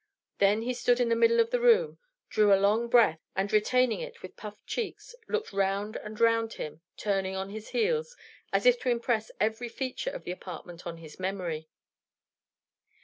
Then he stood in the middle of the room, drew a long breath, and retaining it with puffed cheeks, looked round and round him, turning on his heels, as if to impress every feature of the apartment on his memory.